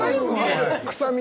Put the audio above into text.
臭み？